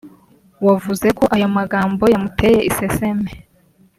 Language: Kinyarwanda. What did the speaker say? wavuze ko ayo magambo yamuteye iseseme